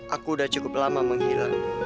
aku udah cukup lama menghilang